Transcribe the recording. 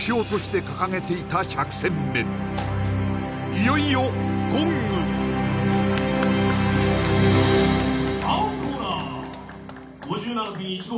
いよいよゴング青コーナー５７．１５